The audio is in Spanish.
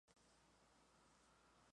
En una de sus cartas, Catlin escribió.